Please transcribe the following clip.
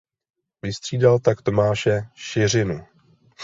Vystřídal tak Tomáše Šiřinu.